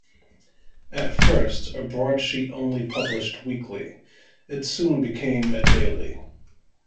At first a broadsheet only published weekly, it soon became a daily.